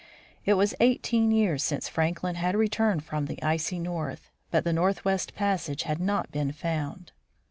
It was eighteen years since Franklin had returned from the icy North, but the northwest passage had not been found.